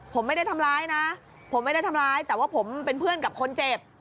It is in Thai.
ผมไม่ได้ทำร้ายนะผมไม่ได้ทำร้ายแต่ว่าผมเป็นเพื่อนกับคนเจ็บ